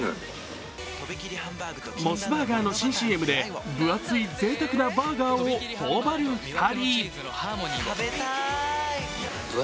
モスバーガーの新ＣＭで分厚いぜいたくなバーガーをほおばる２人。